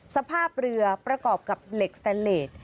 สภาพเรือประกอบกับเหล็กสแตนเลส